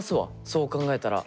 そう考えたら。